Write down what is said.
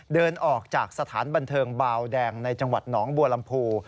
เดินออกจากสถานบันเทิงบาวแดงในจังหวัดหนองบัวลำพู